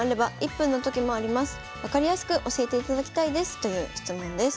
分かりやすく教えていただきたいです」という質問です。